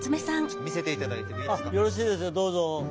よろしいですよどうぞ。